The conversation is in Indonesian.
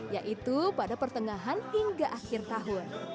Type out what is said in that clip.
yaitu pada pertengahan hingga akhir tahun